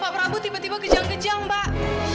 pak rambut tiba tiba kejang kejang mbak